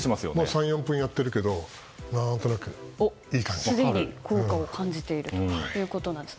３４分やってるけどすでに効果を感じているということなんです。